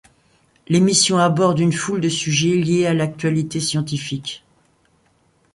L'émission aborde une foule de sujets liés à l'actualité scientifique.